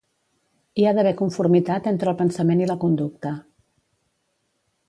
Hi ha d'haver conformitat entre el pensament i la conducta.